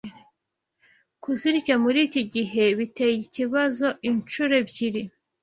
kuzirya muri iki gihe biteye ikibazo inshuro ebyiri